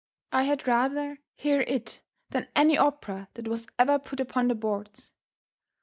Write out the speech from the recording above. I had rather hear it than any opera that was ever put upon the boards.